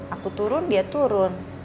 aku turun dia turun